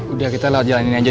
udah kita lah jalanin aja dulu